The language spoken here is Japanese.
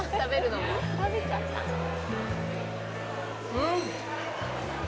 うん！